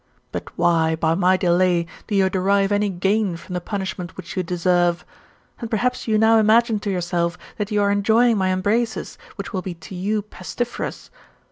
But why, by my delay, do you derive any gain from the punishment which you deserve? And perhaps you now imagine to yourself th)sit you are enjoying my embraces, which will be to you pestiferous.